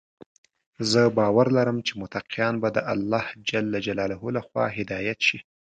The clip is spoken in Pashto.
زه باور لرم چې متقیان به د الله لخوا هدايت شي.